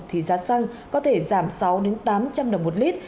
thì giá xăng có thể giảm sáu tám trăm linh đồng một lít